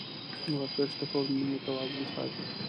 ورزش د هورمونونو توازن ساتي.